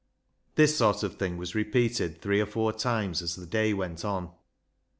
This sort of thing was repeated three or four times as the day went on.